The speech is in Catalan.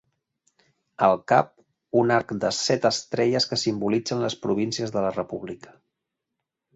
Al cap, un arc de set estrelles que simbolitzen les províncies de la república.